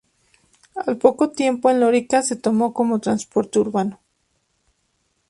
Al poco tiempo en Lorica, se tomó como transporte urbano.